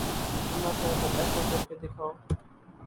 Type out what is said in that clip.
ہمت ہے تو ایسا کر کے دکھاؤ